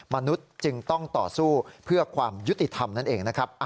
มนุษย์จึงต้องต่อสู้เพื่อความยุติธรรมนั่นเองนะครับ